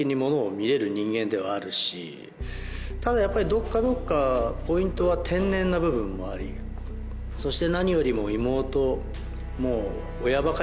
ただやっぱりどっかどっかポイントは天然な部分もありそして何よりも妹。